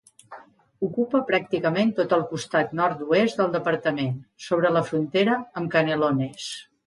Ocupa pràcticament tot el costat nord-oest del departament, sobre la frontera amb Canelones.